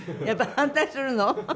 やっぱり反対するの？